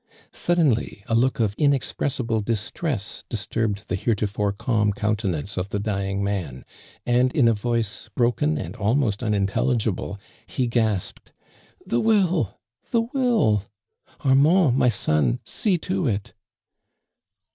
Suddenly a look of inexpressible distress disturbed the heretofore calm counte nance of the dying man, and in a voice, broken and almost unintelligible, he gasp ed :" The will ! the will I Armand, my son, see to it!"